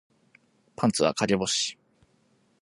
パンツは陰干し